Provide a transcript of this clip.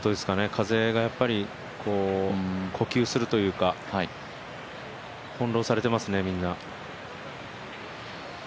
風がやっぱり呼吸するというか翻弄されていますね、みんな。